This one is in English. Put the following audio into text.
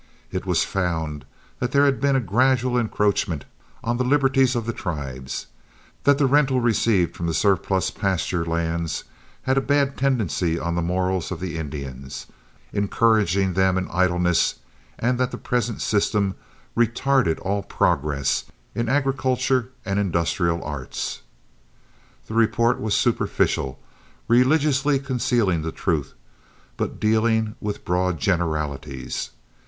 It was found that there had been a gradual encroachment on the liberties of the tribes; that the rental received from the surplus pasture lands had a bad tendency on the morals of the Indians, encouraging them in idleness; and that the present system retarded all progress in agriculture and the industrial arts. The report was superficial, religiously concealing the truth, but dealing with broad generalities.